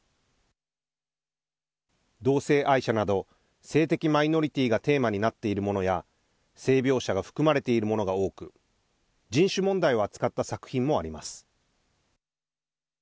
同性愛者など性的マイノリティーがテーマになっているものや性描写が含まれているものが多く人種問題を扱った作品もあります。